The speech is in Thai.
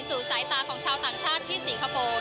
สายตาของชาวต่างชาติที่สิงคโปร์